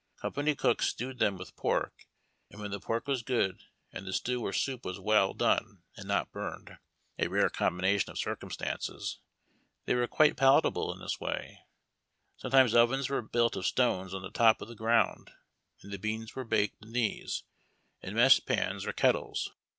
Company cooks stewed them with pork, and .■MESS KETlLliS AND A MESS PAN. when the pork was good and the stew or soup was well done and not burned, — a rare combination of circumstan ces, — they were quite palatable in this way. Sometimes ovens were built of stones, on the top of the ground, and the beans were baked in these, in mess pans or kettles.